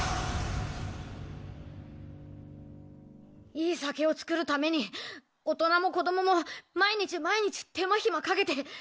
いい酒を造るために大人も子供も毎日毎日手間暇かけて。